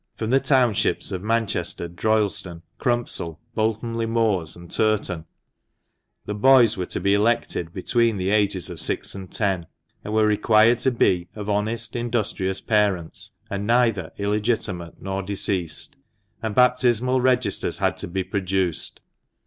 From the townships of Manchester, Droylsden, Crumpsall, Bolton le Moors, and Turton, the boys were to be elected between the ages of six and ten, and were required to be of honest, industrious parents, and neither illegitimate nor diseased ; and baptismal registers had to be produced.